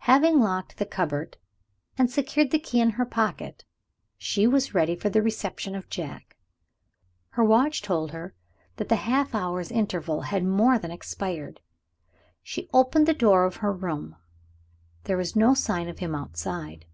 Having locked the cupboard, and secured the key in her pocket, she was ready for the reception of Jack. Her watch told her that the half hour's interval had more than expired. She opened the door of her room. There was no sign of him outside.